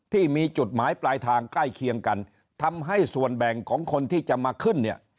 ที่มีจุดหมายปลายทางใกล้เคียงกันทำให้ส่วนแบ่งของคนที่จะมาขึ้นเนี่ย